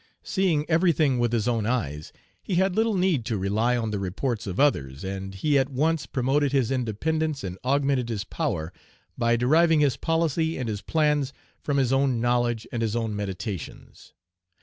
Seeing everything with his own eyes, he had little need to rely on the reports of others; and he at once promoted his independence and augmented his power by deriving his policy and his plans from his own knowledge and his own meditations.